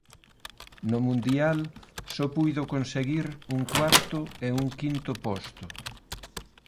No Mundial só puido conseguir un cuarto e un quinto posto.